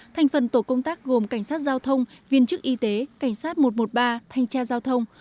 thành phần tổ công tác gồm cảnh sát giao thông viên chức y tế cảnh sát một trăm một mươi ba thanh tra giao thông